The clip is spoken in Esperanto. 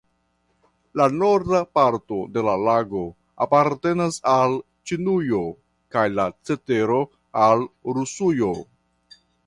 La norda parto de la lago apartenas al Ĉinujo kaj la cetero al Rusujo.